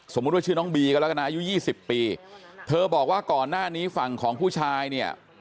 ว่าชื่อน้องบีก็แล้วกันนะอายุยี่สิบปีเธอบอกว่าก่อนหน้านี้ฝั่งของผู้ชายเนี่ย